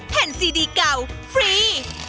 แผ่นซีดีเก่าฟรี